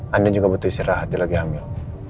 anda juga butuh istirahat dia lagi hamil